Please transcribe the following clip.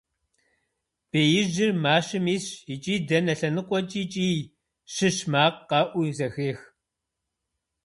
Беижьыр мащэм исщ, икӀи дэнэ лъэныкъуэкӀи кӀий, щыщ макъ къэӀуу зэхех.